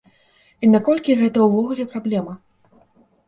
І наколькі гэта ўвогуле праблема?